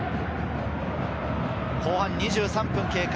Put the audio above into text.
後半２３分経過。